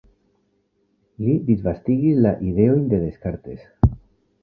Li disvastigis la ideojn de Descartes.